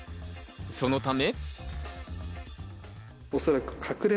そのため。